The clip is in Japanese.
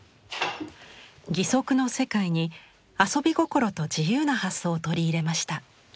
義足の世界に遊び心と自由な発想を取り入れました。